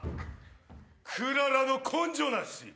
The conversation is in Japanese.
クララの根性なし！